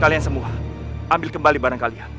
kalian semua ambil kembali barang kalian